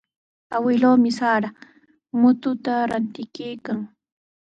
Awkilluumi sara mututa rantikuykan.